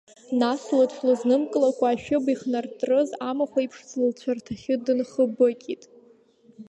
Нас лыҽлызнымкылакәа, ашәыб ихнартрыз амахә еиԥш, лцәарҭахьы дынхыбыкьит.